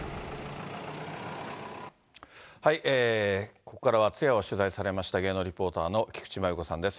ここからは、通夜を取材されました芸能リポーターの菊池真由子さんです。